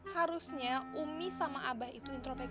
harusnya umi sama abah itu intropeksi